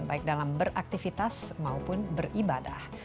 baik dalam beraktivitas maupun beribadah